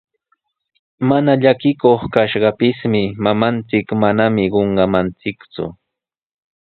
Mana llakikuq kaptinchik, mamanchik manami qunqamanchikku.